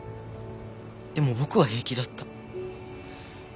でも僕は平気だった。